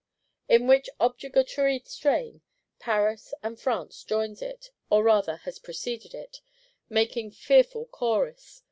In which objurgatory strain Paris and France joins it, or rather has preceded it; making fearful chorus.